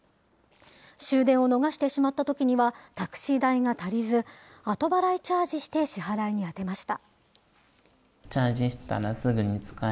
終電を逃してしまったときには、タクシー代が足りず、後払いチャージして支払いに充てました。